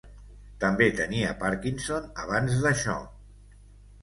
També tenia Parkinson abans d'això.